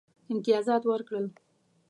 امتیازات ورکړل.